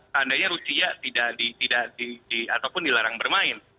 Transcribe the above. tandanya rusia tidak di ataupun dilarang bermain